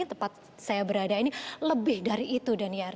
tempat saya berada ini lebih dari itu daniar